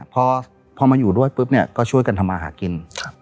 พอมาอยู่ด้วยก็ช่วยกันทำมาหากิน